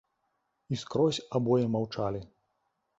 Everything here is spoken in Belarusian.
І скрозь абое маўчалі.